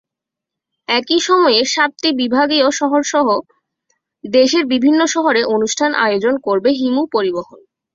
একই সময়ে সাতটি বিভাগীয় শহরসহ দেশের বিভিন্ন শহরে অনুষ্ঠান আয়োজন করবে হিমু পরিবহন।